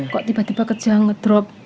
kok tiba tiba kejang ngedrop